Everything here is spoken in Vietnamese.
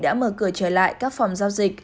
đã mở cửa trở lại các phòng giao dịch